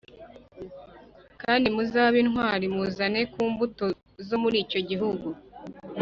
Kandi muzabe intwari b muzane ku mbuto zo muri icyo gihugu